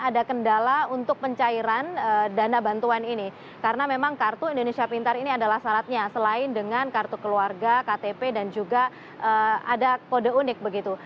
ada kendala untuk pencairan dana bantuan ini karena memang kartu indonesia pintar ini adalah syaratnya selain dengan kartu keluarga ktp dan juga ada kode unik begitu